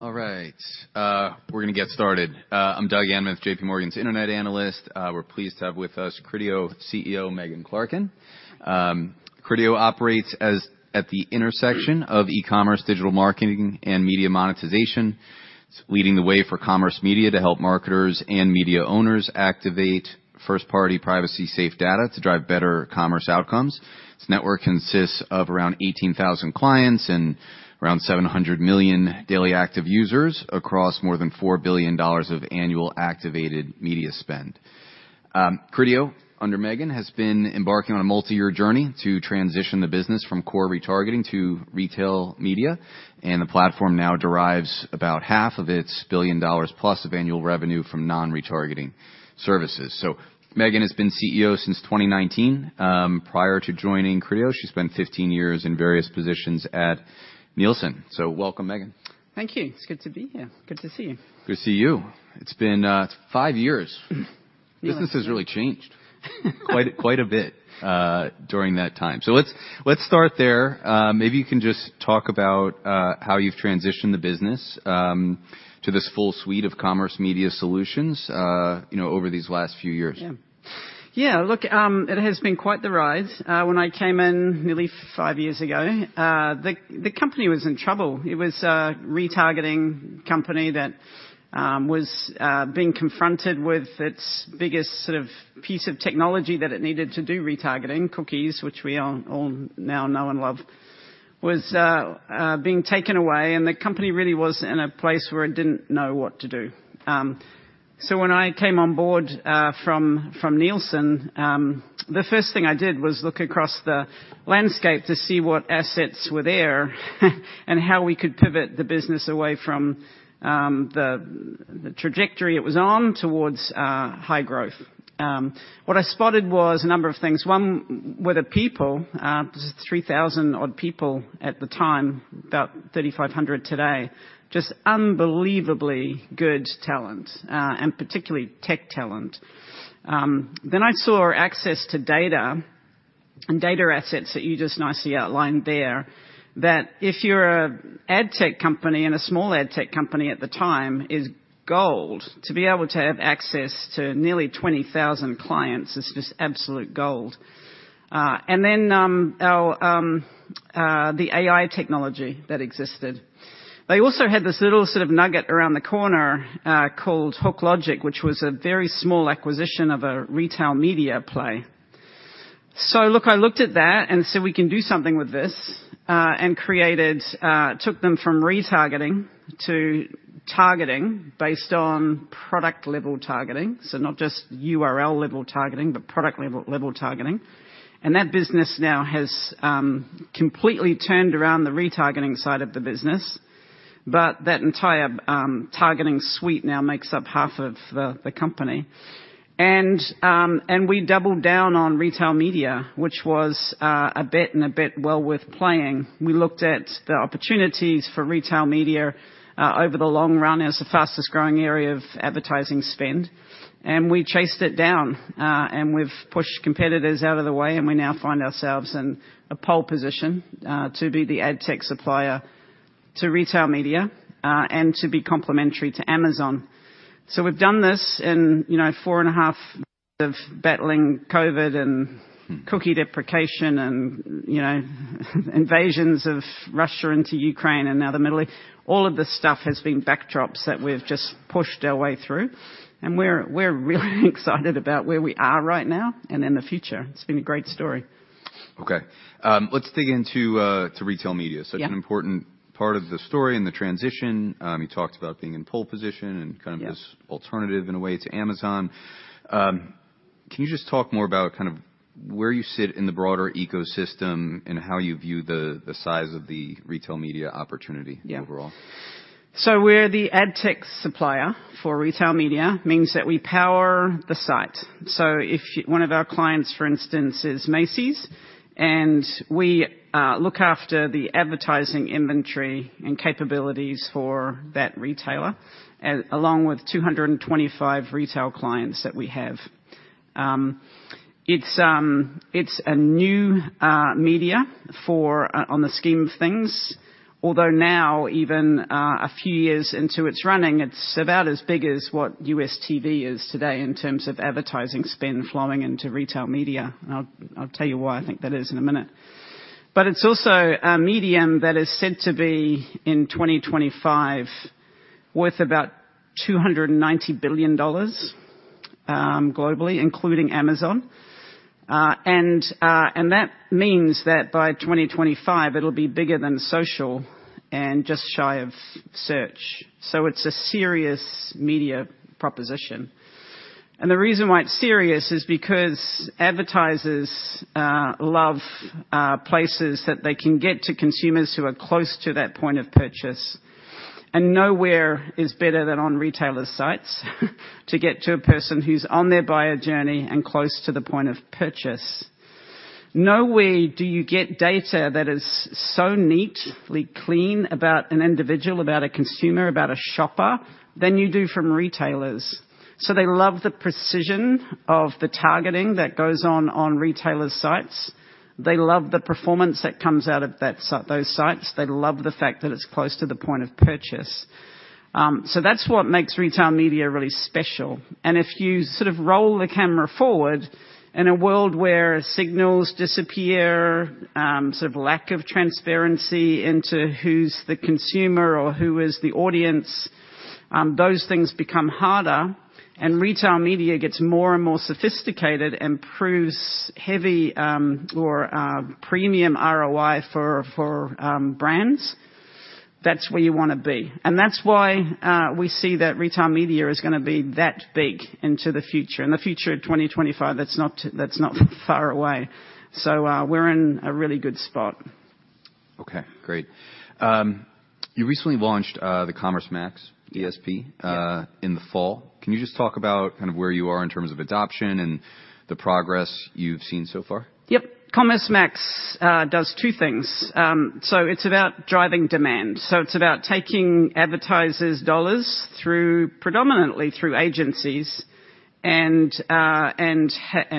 All right, we're gonna get started. I'm Doug Anmuth, JPMorgan's Internet Analyst. We're pleased to have with us Criteo CEO Megan Clarken. Criteo operates at the intersection of e-commerce, digital marketing, and media monetization. It's leading the way for commerce media to help marketers and media owners activate first-party, privacy-safe data to drive better commerce outcomes. This network consists of around 18,000 clients and around 700 million daily active users across more than $4 billion of annual activated media spend. Criteo, under Megan, has been embarking on a multi-year journey to transition the business from core retargeting to retail media, and the platform now derives about half of its $1 billion plus of annual revenue from non-retargeting services. So Megan has been CEO since 2019. Prior to joining Criteo, she spent 15 years in various positions at Nielsen. Welcome, Megan. Thank you. It's good to be here. Good to see you. Good to see you. It's been five years. Yeah. Business has really changed quite, quite a bit during that time. So let's start there. Maybe you can just talk about how you've transitioned the business to this full suite of commerce media solutions, you know, over these last few years. Yeah. Yeah, look, it has been quite the ride. When I came in nearly five years ago, the company was in trouble. It was a retargeting company that was being confronted with its biggest sort of piece of technology that it needed to do retargeting, cookies, which we all now know and love, was being taken away, and the company really was in a place where it didn't know what to do. So when I came on board, from Nielsen, the first thing I did was look across the landscape to see what assets were there, and how we could pivot the business away from the trajectory it was on towards high growth. What I spotted was a number of things. One were the people, 3,000-odd people at the time, about 3,500 today. Just unbelievably good talent, and particularly tech talent. Then I saw access to data and data assets that you just nicely outlined there, that if you're a ad tech company, and a small ad tech company at the time, is gold. To be able to have access to nearly 20,000 clients is just absolute gold. And then, the AI technology that existed. They also had this little sort of nugget around the corner, called HookLogic, which was a very small acquisition of a retail media play. So look, I looked at that and said: We can do something with this, and created, took them from retargeting to targeting based on product-level targeting, so not just URL-level targeting, but product-level targeting. That business now has completely turned around the retargeting side of the business, but that entire targeting suite now makes up half of the company. And we doubled down on retail media, which was a bet and a bet well worth playing. We looked at the opportunities for retail media over the long run as the fastest growing area of advertising spend, and we chased it down, and we've pushed competitors out of the way, and we now find ourselves in a pole position to be the ad tech supplier to retail media, and to be complementary to Amazon. So we've done this in, you know, 4.5 years of battling COVID and cookie deprecation and, you know, invasions of Russia into Ukraine and now the Middle East. All of this stuff has been backdrops that we've just pushed our way through, and we're really excited about where we are right now and in the future. It's been a great story. Okay, let's dig into retail media. Yeah. Such an important part of the story and the transition. You talked about being in pole position and kind of. Yeah. This alternative in a way to Amazon. Can you just talk more about kind of where you sit in the broader ecosystem and how you view the size of the retail media opportunity? Yeah. Overall? So we're the ad tech supplier for retail media, means that we power the site. So, one of our clients, for instance, is Macy's, and we look after the advertising inventory and capabilities for that retailer, along with 225 retail clients that we have. It's a new media on the scheme of things, although now even a few years into its running, it's about as big as what U.S. TV is today in terms of advertising spend flowing into retail media, and I'll tell you why I think that is in a minute. But it's also a medium that is said to be, in 2025, worth about $290 billion, globally, including Amazon. And that means that by 2025, it'll be bigger than social and just shy of search. So it's a serious media proposition. And the reason why it's serious is because advertisers love places that they can get to consumers who are close to that point of purchase, and nowhere is better than on retailers' sites to get to a person who's on their buyer journey and close to the point of purchase. Nowhere do you get data that is so neatly clean about an individual, about a consumer, about a shopper, than you do from retailers. So they love the precision of the targeting that goes on, on retailers' sites. They love the performance that comes out of that site, those sites. They love the fact that it's close to the point of purchase. So that's what makes Retail Media really special. And if you sort of roll the camera forward, in a world where signals disappear, sort of lack of transparency into who's the consumer or who is the audience, those things become harder, and retail media gets more and more sophisticated and proves heavy, premium ROI for brands. That's where you wanna be. And that's why we see that retail media is gonna be that big into the future, in the future of 2025. That's not that's not far away. So, we're in a really good spot. Okay, great. You recently launched the Commerce Max DSP. Yeah. In the fall. Can you just talk about kind of where you are in terms of adoption and the progress you've seen so far? Yep. Commerce Max does two things. So it's about driving demand. So it's about taking advertisers' dollars through predominantly through agencies and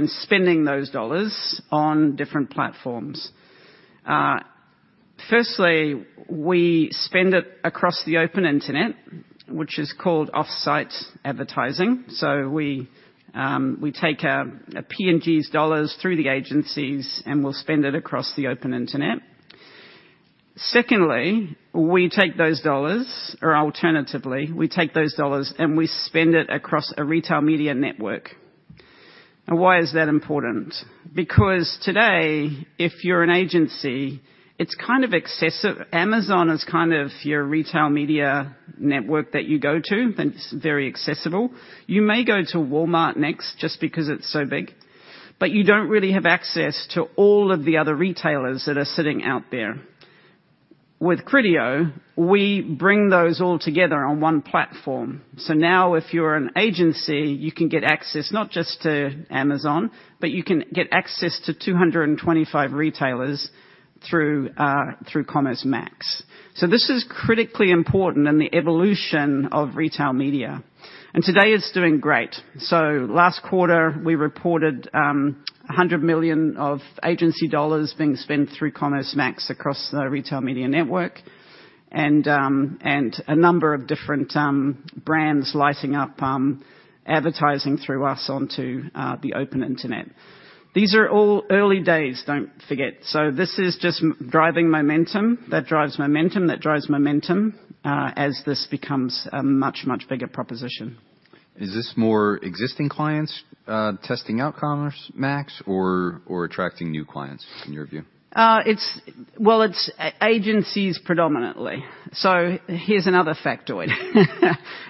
spending those dollars on different platforms. Firstly, we spend it across the open internet, which is called off-site advertising. So we take P&G's dollars through the agencies, and we'll spend it across the open internet. Secondly, we take those dollars, or alternatively, we take those dollars and we spend it across a retail media network. Now, why is that important? Because today, if you're an agency, it's kind of excessive, Amazon is kind of your retail media network that you go to, and it's very accessible. You may go to Walmart next just because it's so big, but you don't really have access to all of the other retailers that are sitting out there. With Criteo, we bring those all together on one platform. So now, if you're an agency, you can get access not just to Amazon, but you can get access to 225 retailers through Commerce Max. So this is critically important in the evolution of retail media, and today it's doing great. So last quarter, we reported $100 million of agency dollars being spent through Commerce Max across the retail media network, and a number of different brands lighting up advertising through us onto the open internet. These are all early days, don't forget. So this is just driving momentum, that drives momentum, that drives momentum as this becomes a much, much bigger proposition. Is this more existing clients, testing out Commerce Max or, or attracting new clients, in your view? Well, it's agencies predominantly. So here's another factoid,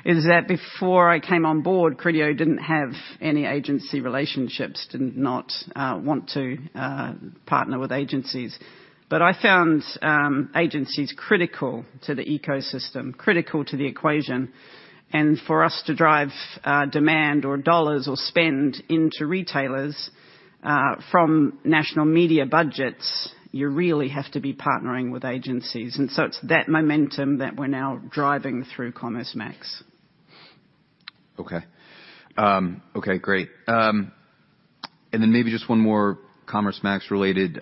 is that before I came on board, Criteo didn't have any agency relationships, did not want to partner with agencies. But I found agencies critical to the ecosystem, critical to the equation, and for us to drive demand or dollars or spend into retailers from national media budgets, you really have to be partnering with agencies, and so it's that momentum that we're now driving through Commerce Max. Okay. Okay, great. And then maybe just one more Commerce Max related.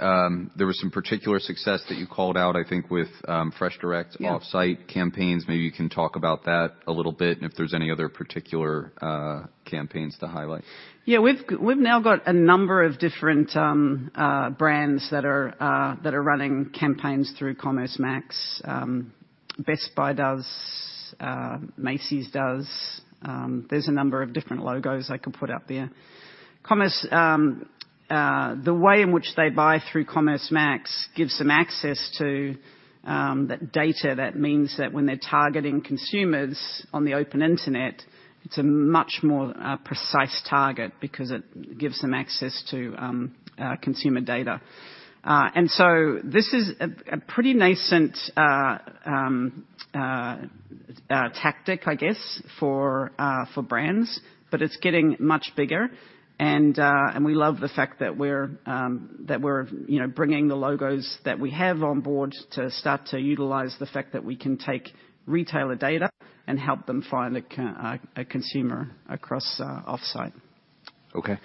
There was some particular success that you called out, I think, with FreshDirect. Yeah. Off-site campaigns. Maybe you can talk about that a little bit, and if there's any other particular, campaigns to highlight. Yeah, we've now got a number of different brands that are running campaigns through Commerce Max. Best Buy does, Macy's does. There's a number of different logos I could put up there. Commerce, the way in which they buy through Commerce Max gives them access to that data. That means that when they're targeting consumers on the open internet, it's a much more precise target because it gives them access to consumer data. So this is a pretty nascent tactic, I guess, for brands, but it's getting much bigger, and we love the fact that we're, you know, bringing the logos that we have on board to start to utilize the fact that we can take retailer data and help them find a consumer across offsite. Okay.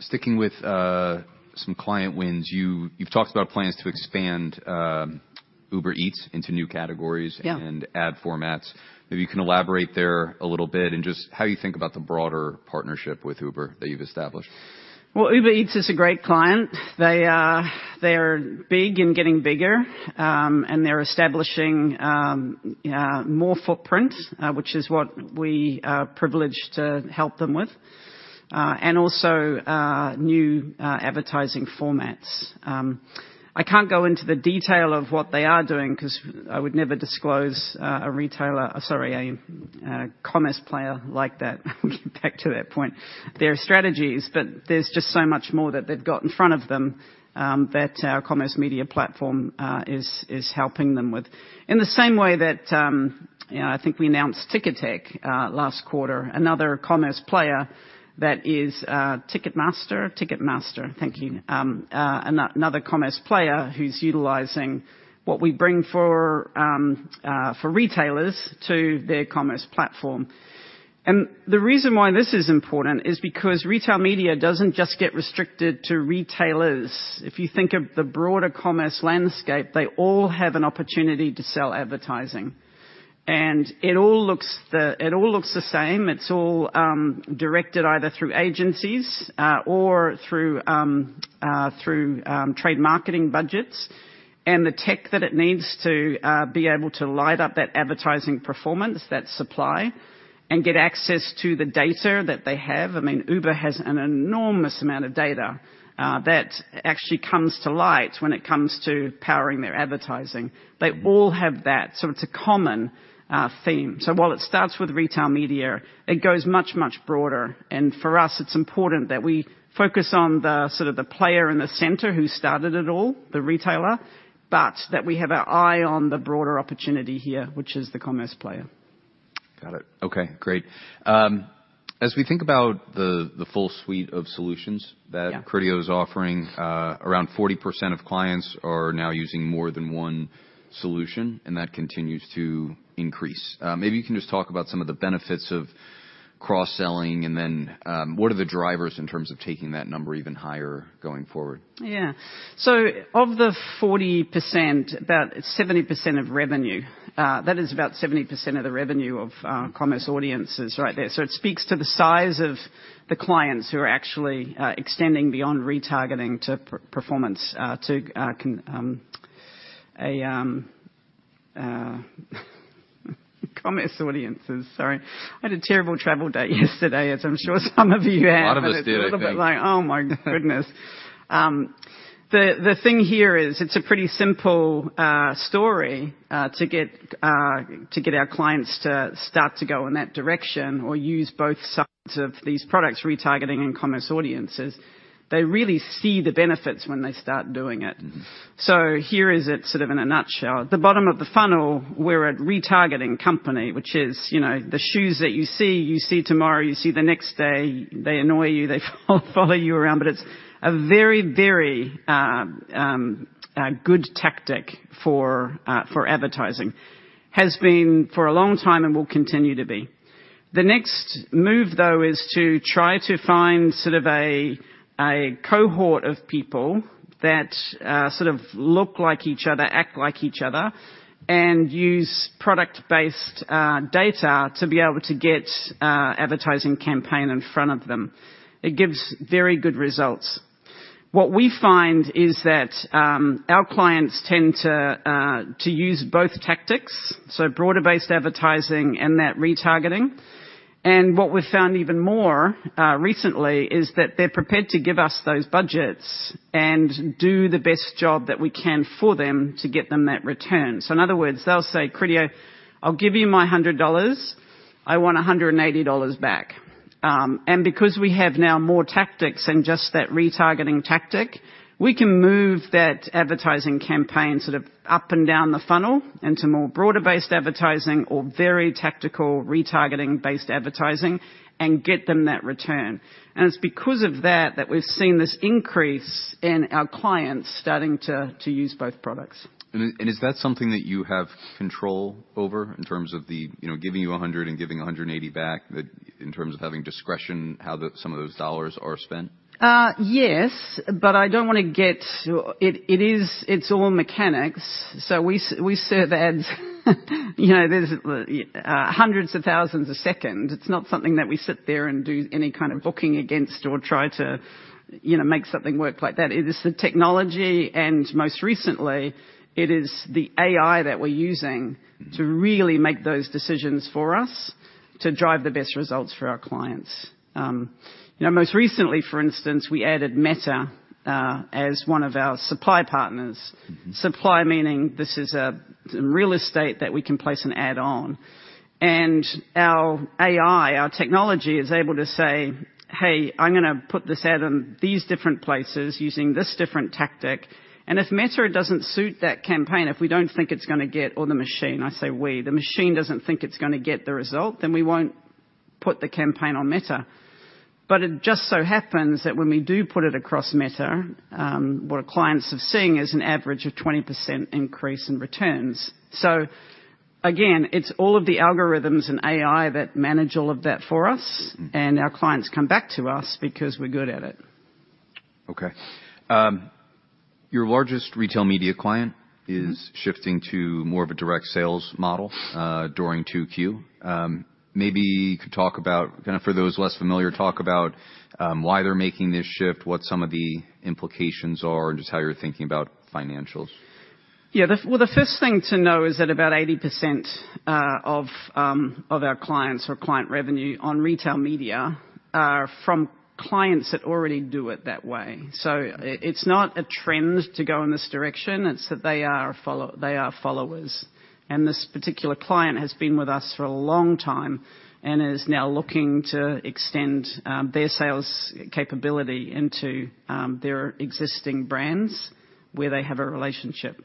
Sticking with some client wins, you've talked about plans to expand Uber Eats into new categories. Yeah. And ad formats. Maybe you can elaborate there a little bit, and just how you think about the broader partnership with Uber that you've established. Well, Uber Eats is a great client. They're big and getting bigger, and they're establishing more footprint, which is what we are privileged to help them with, and also new advertising formats. I can't go into the detail of what they are doing 'cause I would never disclose a retailer, sorry, a commerce player like that. Back to that point. There are strategies, but there's just so much more that they've got in front of them, that our commerce media platform is helping them with. In the same way that, you know, I think we announced Ticketek last quarter, another commerce player that is Ticketmaster. Ticketmaster, thank you. Another commerce player who's utilizing what we bring for retailers to their commerce platform. And the reason why this is important is because retail media doesn't just get restricted to retailers. If you think of the broader commerce landscape, they all have an opportunity to sell advertising. And it all looks the same. It's all directed either through agencies or through trade marketing budgets and the tech that it needs to be able to light up that advertising performance, that supply, and get access to the data that they have. I mean, Uber has an enormous amount of data that actually comes to light when it comes to powering their advertising. They all have that, so it's a common theme. So while it starts with retail media, it goes much, much broader. For us, it's important that we focus on the sort of the player in the center who started it all, the retailer, but that we have our eye on the broader opportunity here, which is the commerce player. Got it. Okay, great. As we think about the full suite of solutions. Yeah. That Criteo is offering, around 40% of clients are now using more than one solution, and that continues to increase. Maybe you can just talk about some of the benefits of cross-selling, and then, what are the drivers in terms of taking that number even higher going forward? Yeah. So of the 40%, about 70% of revenue, that is about 70% of the revenue of Commerce Audiences right there. So it speaks to the size of the clients who are actually extending beyond retargeting to per-performance, to Commerce Audiences. Sorry, I had a terrible travel day yesterday, as I'm sure some of you had. A lot of us did, I think. It's a little bit like, Oh, my goodness. The thing here is, it's a pretty simple story to get our clients to start to go in that direction or use both sides of these products, Retargeting and Commerce Audiences. They really see the benefits when they start doing it. Mm-hmm. So here is it, sort of in a nutshell, at the bottom of the funnel, we're a retargeting company, which is, you know, the shoes that you see, you see tomorrow, you see the next day, they annoy you, they follow you around. But it's a very, very, a good tactic for, for advertising. Has been for a long time and will continue to be. The next move, though, is to try to find sort of a cohort of people that sort of look like each other, act like each other, and use product-based data to be able to get advertising campaign in front of them. It gives very good results. What we find is that, our clients tend to, to use both tactics, so broader-based advertising and that retargeting. What we've found even more recently is that they're prepared to give us those budgets and do the best job that we can for them to get them that return. So in other words, they'll say, "Criteo, I'll give you my $100. I want $180 back." And because we have now more tactics than just that retargeting tactic, we can move that advertising campaign sort of up and down the funnel into more broader-based advertising or very tactical retargeting-based advertising and get them that return. And it's because of that, that we've seen this increase in our clients starting to use both products. Is that something that you have control over in terms of the, you know, giving you $100 and giving $180 back, that in terms of having discretion, how some of those dollars are spent? Yes, but I don't want to get, it is, it's all mechanics, so we serve ads, you know, there's hundreds of thousands a second. It's not something that we sit there and do any kind of booking against or try to, you know, make something work like that. It is the technology, and most recently, it is the AI that we're using. Mm-hmm. To really make those decisions for us to drive the best results for our clients. You know, most recently, for instance, we added Meta, as one of our supply partners. Mm-hmm. Supply, meaning this is a real estate that we can place an ad on. And our AI, our technology, is able to say, "Hey, I'm gonna put this ad in these different places using this different tactic." And if Meta doesn't suit that campaign, if we don't think it's gonna get or the machine, I say we, the machine doesn't think it's gonna get the result, then we won't put the campaign on Meta. But it just so happens that when we do put it across Meta, what our clients are seeing is an average of 20% increase in returns. So again, it's all of the algorithms and AI that manage all of that for us. Mm-hmm. Our clients come back to us because we're good at it. Okay. Your largest retail media client. Mm-hmm. Is shifting to more of a direct sales model during 2Q. Maybe you could talk about, kind of for those less familiar, talk about why they're making this shift, what some of the implications are, and just how you're thinking about financials. Yeah, well, the first thing to know is that about 80% of our clients or client revenue on retail media are from clients that already do it that way. So it's not a trend to go in this direction, it's that they are followers, and this particular client has been with us for a long time and is now looking to extend their sales capability into their existing brands where they have a relationship.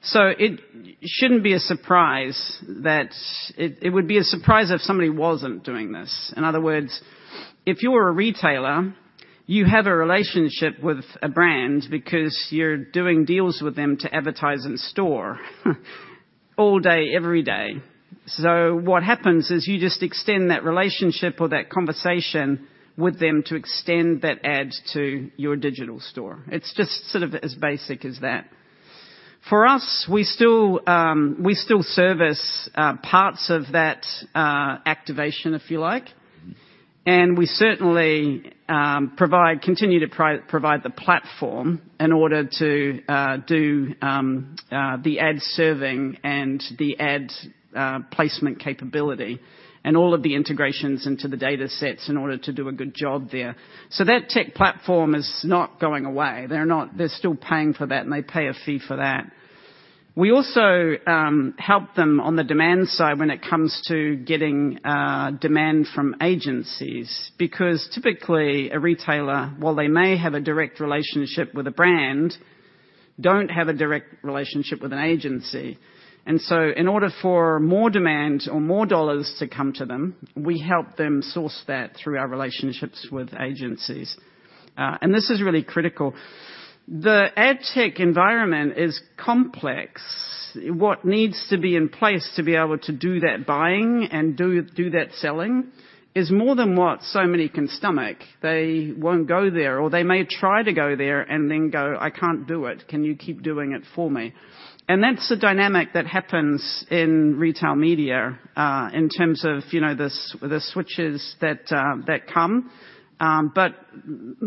So it shouldn't be a surprise that it would be a surprise if somebody wasn't doing this. In other words, if you were a retailer you have a relationship with a brand because you're doing deals with them to advertise in store, all day, every day. So what happens is you just extend that relationship or that conversation with them to extend that ad to your digital store. It's just sort of as basic as that. For us, we still service parts of that activation, if you like. Mm-hmm. And we certainly provide, continue to provide the platform in order to do the ad serving and the ad placement capability and all of the integrations into the data sets in order to do a good job there. So that tech platform is not going away. They're still paying for that, and they pay a fee for that. We also help them on the demand side when it comes to getting demand from agencies, because typically a retailer, while they may have a direct relationship with a brand, don't have a direct relationship with an agency. And so in order for more demand or more dollars to come to them, we help them source that through our relationships with agencies. And this is really critical. The ad tech environment is complex. What needs to be in place to be able to do that buying and do that selling is more than what so many can stomach. They won't go there, or they may try to go there and then go, "I can't do it. Can you keep doing it for me?" And that's the dynamic that happens in retail media, in terms of, you know, the switches that come. But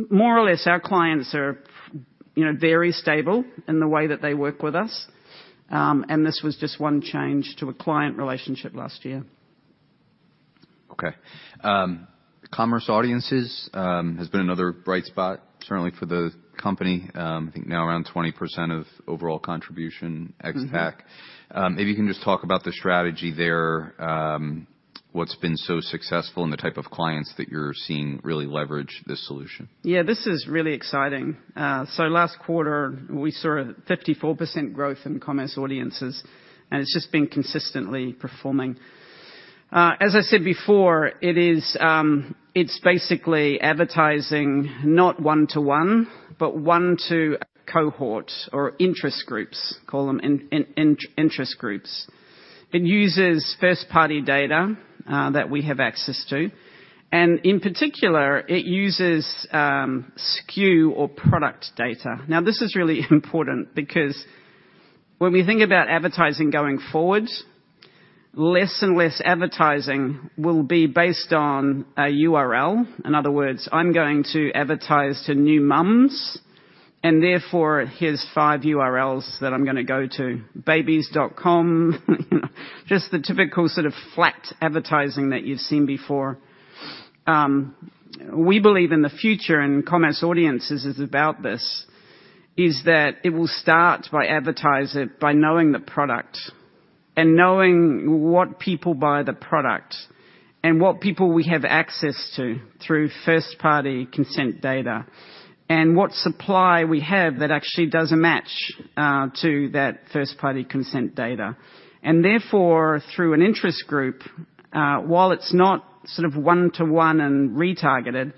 more or less, our clients are, you know, very stable in the way that they work with us, and this was just one change to a client relationship last year. Okay. Commerce Audiences has been another bright spot, certainly for the company. I think now around 20% of overall contribution ex-TAC. Mm-hmm. Maybe you can just talk about the strategy there, what's been so successful and the type of clients that you're seeing really leverage this solution. Yeah, this is really exciting. So last quarter, we saw a 54% growth in Commerce Audiences, and it's just been consistently performing. As I said before, it is. It's basically advertising not one to one, but one to cohort or interest groups, call them interest groups. It uses first-party data that we have access to, and in particular, it uses SKU or product data. Now, this is really important because when we think about advertising going forward, less and less advertising will be based on a URL. In other words, I'm going to advertise to new moms, and therefore, here's five URLs that I'm gonna go to, babies.com, you know, just the typical sort of flat advertising that you've seen before. We believe in the future, and Commerce Audiences is about this, is that it will start by advertiser, by knowing the product and knowing what people buy the product and what people we have access to through first-party consent data, and what supply we have that actually doesn't match to that first-party consent data. And therefore, through an interest group, while it's not sort of one-to-one and retargeted,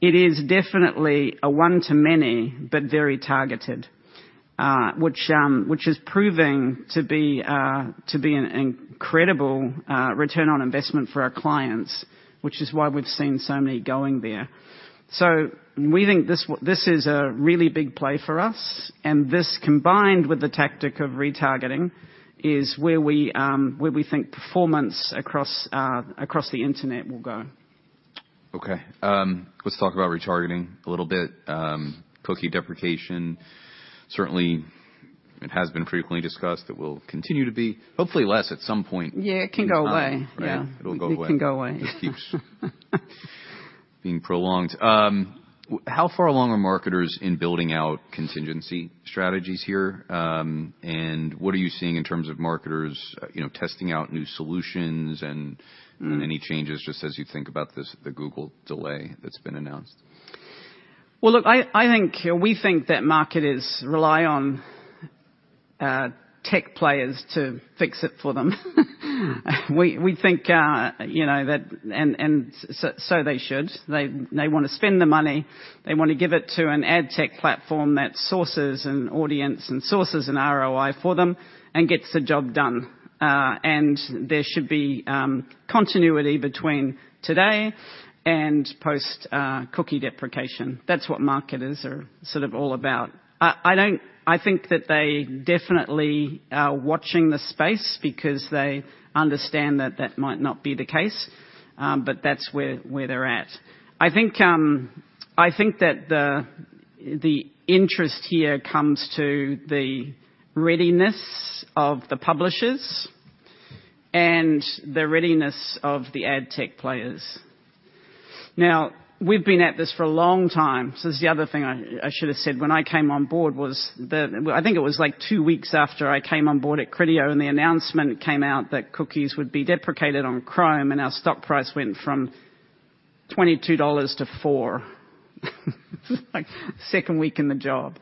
it is definitely a one-to-many, but very targeted, which is proving to be an incredible return on investment for our clients, which is why we've seen so many going there. So we think this, this is a really big play for us, and this, combined with the tactic of retargeting, is where we think performance across the internet will go. Okay. Let's talk about retargeting a little bit. Cookie deprecation, certainly it has been frequently discussed. It will continue to be, hopefully less at some point. Yeah, it can go away. Right. Yeah. It'll go away. It can go away. This keeps being prolonged. How far along are marketers in building out contingency strategies here? And what are you seeing in terms of marketers, you know, testing out new solutions and. Mm. Any changes, just as you think about this, the Google delay that's been announced? Well, look, I think we think that marketers rely on tech players to fix it for them. We think, you know, that and so they should. They wanna spend the money. They want to give it to an ad tech platform that sources an audience and sources an ROI for them and gets the job done. And there should be continuity between today and post cookie deprecation. That's what marketers are sort of all about. I don't think that they definitely are watching the space because they understand that that might not be the case, but that's where they're at. I think that the interest here comes to the readiness of the publishers and the readiness of the ad tech players. Now, we've been at this for a long time. This is the other thing I should have said: when I came on board, was the, I think it was, like, two weeks after I came on board at Criteo, and the announcement came out that cookies would be deprecated on Chrome, and our stock price went from $22 to $4. Like, second week in the job.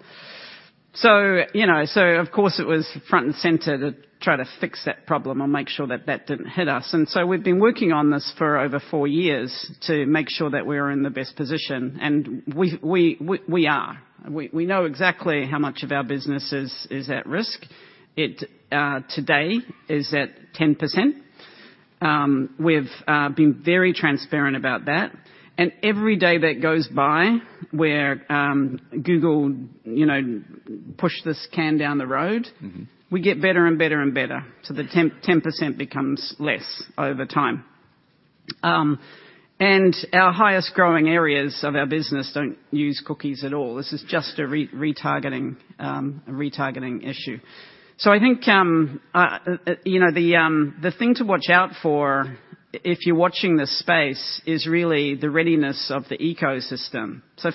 So, you know, so of course it was front and center to try to fix that problem and make sure that that didn't hit us. And so we've been working on this for over four years to make sure that we're in the best position, and we are. We know exactly how much of our business is at risk. It today is at 10%. We've been very transparent about that, and every day that goes by where Google, you know, push this can down the road. Mm-hmm. We get better and better and better, so the 10, 10% becomes less over time. And our highest growing areas of our business don't use cookies at all. This is just a retargeting issue. So I think, you know, the thing to watch out for if you're watching this space, is really the readiness of the ecosystem. So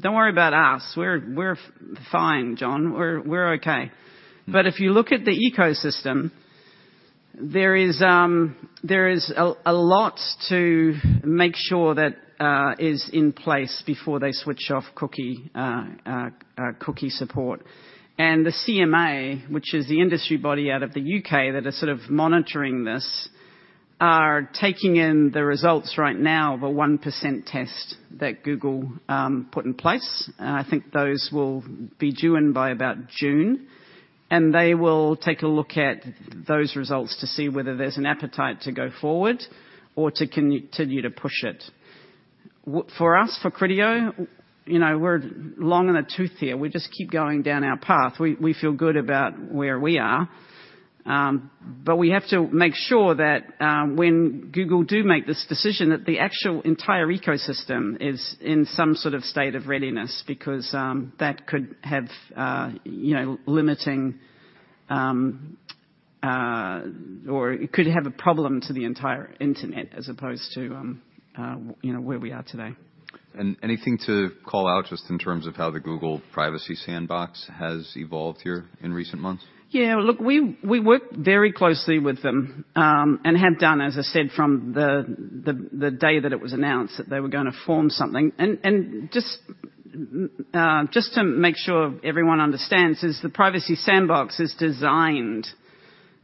don't worry about us, we're fine, John. We're okay. But if you look at the ecosystem, there is a lot to make sure that is in place before they switch off cookie support. And the CMA, which is the industry body out of the U.K. that is sort of monitoring this, are taking in the results right now of a 1% test that Google put in place. I think those will be due in by about June, and they will take a look at those results to see whether there's an appetite to go forward or to continue to push it. For us, for Criteo, you know, we're long in the tooth here. We just keep going down our path. We feel good about where we are, but we have to make sure that, when Google do make this decision, that the actual entire ecosystem is in some sort of state of readiness, because that could have, you know, limiting, or it could have a problem to the entire internet as opposed to, you know, where we are today. Anything to call out just in terms of how the Google Privacy Sandbox has evolved here in recent months? Yeah, look, we worked very closely with them, and have done, as I said, from the day that it was announced that they were gonna form something. And just to make sure everyone understands, the Privacy Sandbox is designed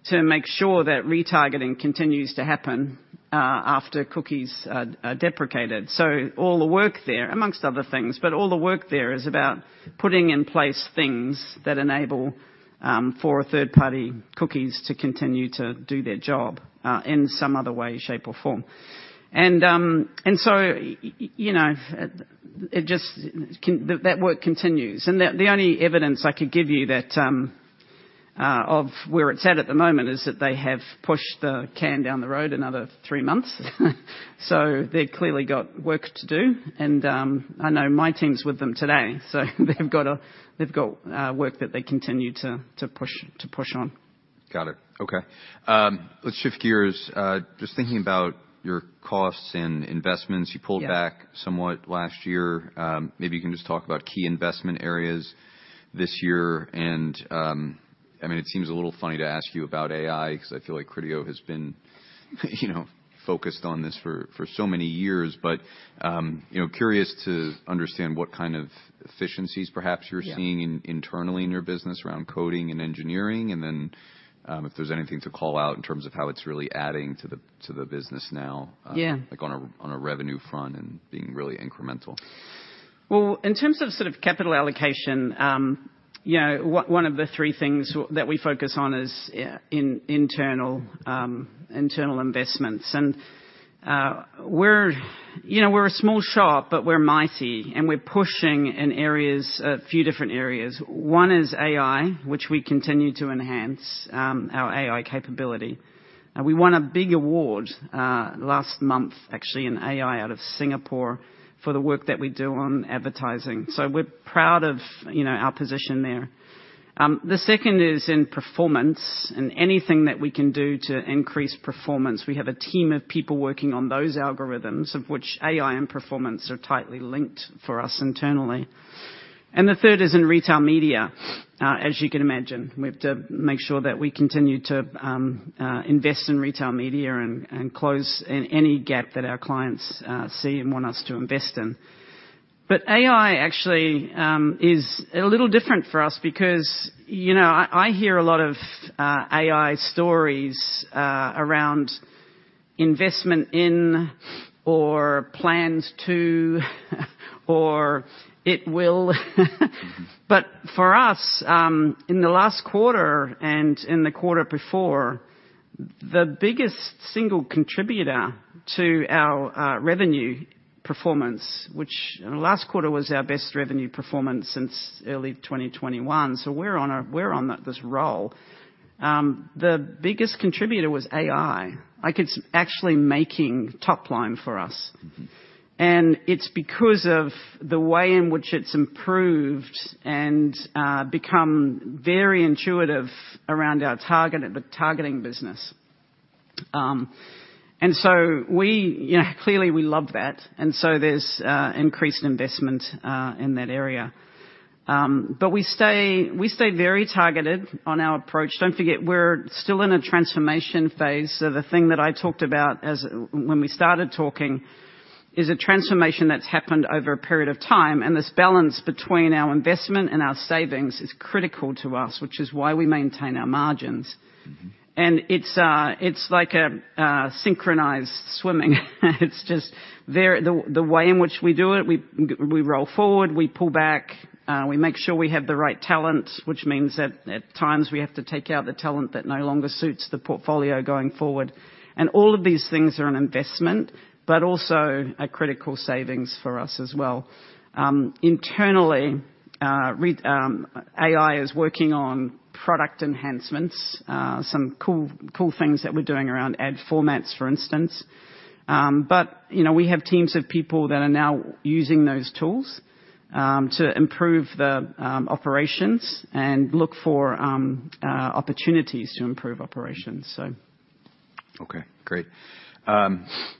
to make sure that retargeting continues to happen after cookies are deprecated. So all the work there, amongst other things, but all the work there is about putting in place things that enable for a third-party cookies to continue to do their job in some other way, shape, or form. And so you know, it just that work continues, and the only evidence I could give you that of where it's at at the moment, is that they have pushed the can down the road another three months. So they've clearly got work to do, and I know my team's with them today, so they've got work that they continue to push on. Got it. Okay, let's shift gears. Just thinking about your costs and investments. Yeah. You pulled back somewhat last year. Maybe you can just talk about key investment areas this year, and, I mean, it seems a little funny to ask you about AI, 'cause I feel like Criteo has been, you know, focused on this for so many years. But, you know, curious to understand what kind of efficiencies perhaps. Yeah. You're seeing internally in your business around coding and engineering, and then, if there's anything to call out in terms of how it's really adding to the business now. Yeah. Like on a, on a revenue front and being really incremental. Well, in terms of sort of capital allocation, you know, one of the three things that we focus on is in internal investments. And, you know, we're a small shop, but we're mighty, and we're pushing in areas, a few different areas. One is AI, which we continue to enhance, our AI capability. And we won a big award, last month, actually, in AI, out of Singapore, for the work that we do on advertising. So we're proud of, you know, our position there. The second is in performance and anything that we can do to increase performance. We have a team of people working on those algorithms, of which AI and performance are tightly linked for us internally. And the third is in retail media. As you can imagine, we have to make sure that we continue to invest in retail media and close any gap that our clients see and want us to invest in. But AI actually is a little different for us because, you know, I hear a lot of AI stories around investment in or plans to, or it will. Mm-hmm. But for us, in the last quarter and in the quarter before, the biggest single contributor to our revenue performance. Last quarter was our best revenue performance since early 2021, so we're on this roll. The biggest contributor was AI. Like, it's actually making top line for us. Mm-hmm. And it's because of the way in which it's improved and become very intuitive around our target, the targeting business. And so we, you know, clearly we love that, and so there's increased investment in that area. But we stay, we stay very targeted on our approach. Don't forget, we're still in a transformation phase, so the thing that I talked about when we started talking is a transformation that's happened over a period of time, and this balance between our investment and our savings is critical to us, which is why we maintain our margins. Mm-hmm. And it's like a synchronized swimming. It's just there, the way in which we do it, we roll forward, we pull back, we make sure we have the right talent, which means that at times, we have to take out the talent that no longer suits the portfolio going forward. And all of these things are an investment, but also a critical savings for us as well. Internally, AI is working on product enhancements, some cool things that we're doing around ad formats, for instance. But you know, we have teams of people that are now using those tools to improve the operations and look for opportunities to improve operations, so. Okay, great.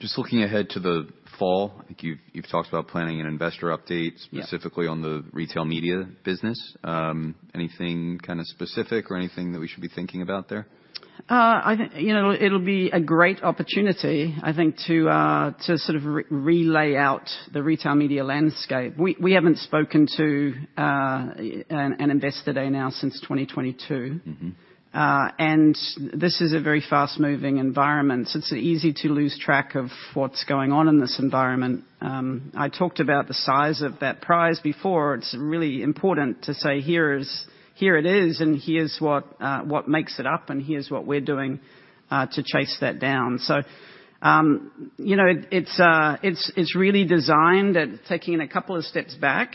Just looking ahead to the fall, I think you've talked about planning an investor update. Yeah. Specifically on the Retail Media business. Anything kinda specific or anything that we should be thinking about there? I think, you know, it'll be a great opportunity, I think, to sort of relay out the retail media landscape. We haven't spoken to an investor day now since 2022. Mm-hmm. And this is a very fast-moving environment, so it's easy to lose track of what's going on in this environment. I talked about the size of that prize before. It's really important to say, "Here is, here it is, and here's what what makes it up, and here's what we're doing to chase that down." So, you know, it's really designed at taking a couple of steps back,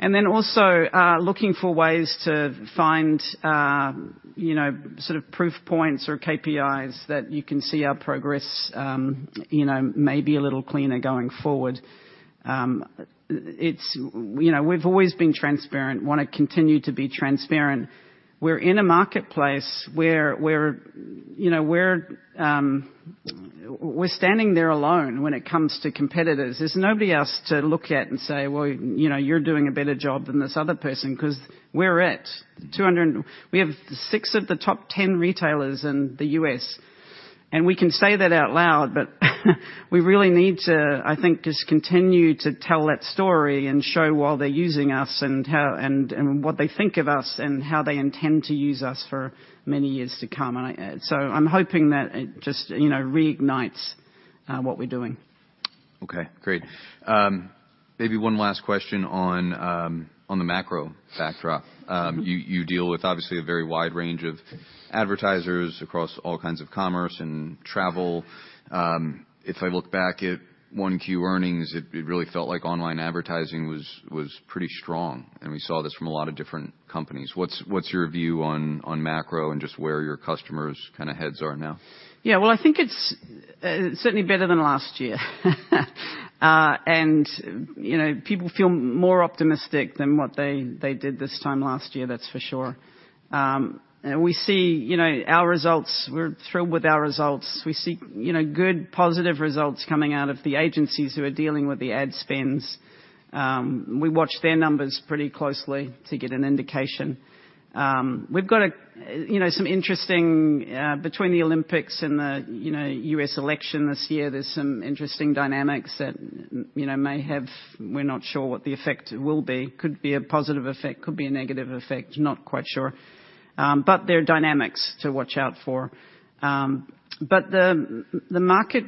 and then also looking for ways to find you know, sort of proof points or KPIs that you can see our progress you know may be a little cleaner going forward. It's, you know, we've always been transparent, wanna continue to be transparent. We're in a marketplace where you know, we're standing there alone when it comes to competitors. There's nobody else to look at and say, "Well, you know, you're doing a better job than this other person," 'cause we're it. Two hundred and we have six of the top 10 retailers in the U.S., and we can say that out loud, but we really need to, I think, just continue to tell that story and show why they're using us and how and what they think of us, and how they intend to use us for many years to come. And I, so I'm hoping that it just, you know, reignites what we're doing. Okay, great. Maybe one last question on the macro backdrop. Mm-hmm. You deal with, obviously, a very wide range of advertisers across all kinds of commerce and travel. If I look back at 1Q earnings, it really felt like online advertising was pretty strong, and we saw this from a lot of different companies. What's your view on macro and just where your customers' kinda heads are now? Yeah. Well, I think it's certainly better than last year. And, you know, people feel more optimistic than what they did this time last year, that's for sure. And we see, you know, our results, we're thrilled with our results. We see, you know, good, positive results coming out of the agencies who are dealing with the ad spends. We watch their numbers pretty closely to get an indication. We've got, you know, some interesting, between the Olympics and the, you know, U.S. election this year, there's some interesting dynamics that you know may have. We're not sure what the effect will be. Could be a positive effect, could be a negative effect, not quite sure. But there are dynamics to watch out for. But the market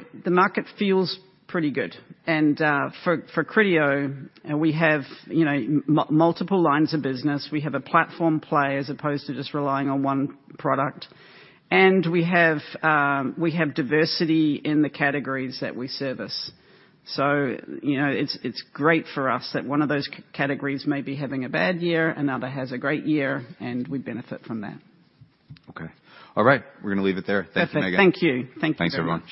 feels pretty good. For Criteo, we have, you know, multiple lines of business. We have a platform play, as opposed to just relying on one product. And we have diversity in the categories that we service. So, you know, it's great for us that one of those categories may be having a bad year, another has a great year, and we benefit from that. Okay. All right, we're gonna leave it there. Perfect. Thank you, Megan. Thank you. Thank you very much. Thanks, everyone.